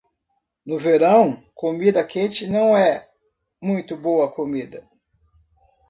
No verão, comida quente não é muito boa comida.